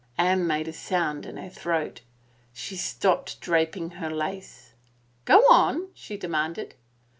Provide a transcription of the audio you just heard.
Anne made a sound in her throat. She stopped drap ing her lace. " Go on," she demanded.